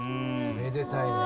めでたいね。